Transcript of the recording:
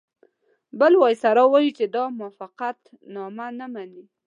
بل وایسرا ووایي چې دا موافقتنامه نه مني.